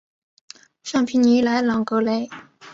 尚皮尼莱朗格雷。